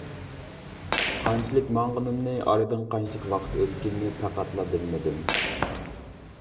قانچىلىك ماڭغىنىمنى، ئارىدىن قانچىلىك ۋاقىت ئۆتكىنىنى پەقەتلا بىلمىدىم.